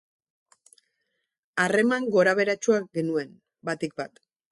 Harreman gorabeheratsua genuen, batik bat.